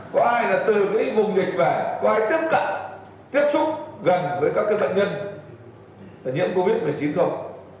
có ai là từ vùng dịch về có ai tiếp cận tiếp xúc gần với các bệnh nhân nhiễm covid một mươi chín không